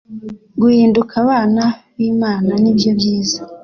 guhinduka abana b Imana nibyo byiza